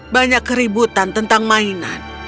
banyak keributan tentang mainan